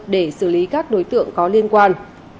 để xử lý các đối tượng có liên quan